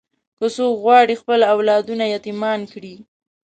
که څوک غواړي خپل اولادونه یتیمان کړي.